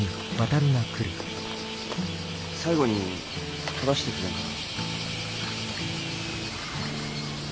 最後に撮らしてくれんかな？